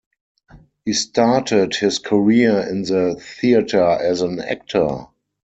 He started his career in the theatre as an actor.